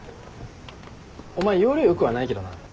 お前要領良くはないけどな。